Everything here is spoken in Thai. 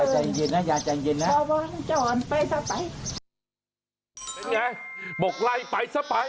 เป็นไงบอกไล่ไปซะไป